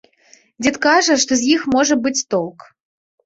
Дзед кажа, што з іх можа быць толк.